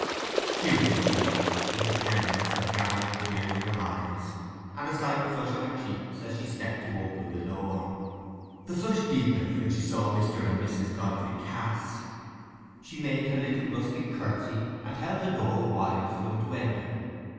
Beautiful she looked, with the tenderness of gathering tears in her eyes and a slight flush on her cheeks, as she stepped to open the door. The flush deepened when she saw Mr. and Mrs. Godfrey Cass. She made her little rustic curtsy, and held the door wide for them to enter.